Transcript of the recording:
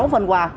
sáu phần quà